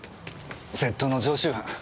窃盗の常習犯。